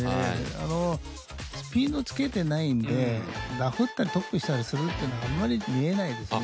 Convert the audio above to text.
あのスピードつけてないんでダフったりトップしたりするっていうのはあんまり見えないですね。